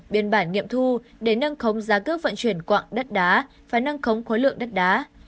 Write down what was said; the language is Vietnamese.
biên bản nghiệm thu để nâng khống giá cước vận chuyển quạng đất đá và nâng khống khối lượng đất đá